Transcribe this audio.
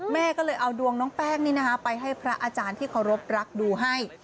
แม่ก็เลยเอาดวงน้องแป้งไปให้พระอาจารย์ที่เคารพรักดูให้